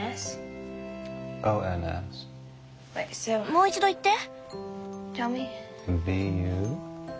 もう一度言って。